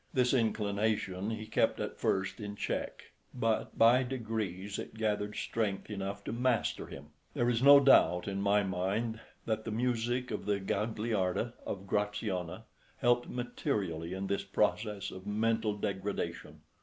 This inclination he kept at first in check, but by degrees it gathered strength enough to master him. There is no doubt in my mind that the music of the Gagliarda of Graziani helped materially in this process of mental degradation.